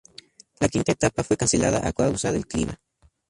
La quinta etapa fue cancelada a causa del clima.